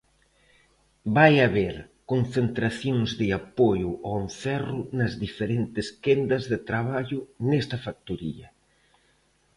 Vai haber concentracións de apoio ao encerro nas diferentes quendas de traballo nesta factoría.